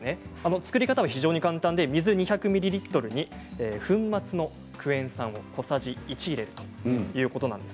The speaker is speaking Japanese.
作り方は非常に簡単で水２００ミリリットルに粉末のクエン酸を小さじ１入れるということなんです。